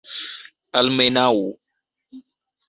almenaŭ